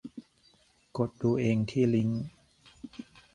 กดดูเองที่ลิงก์